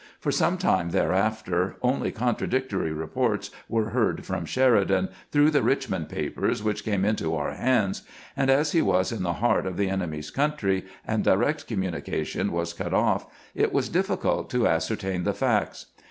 For some time thereafter only contradictory reports were heard from Sheridan, through the Richmond papers which came into our hands ; and as he was in the heart of the enemy's country, and direct communication was cut off, it was difficult to ascertain the facts..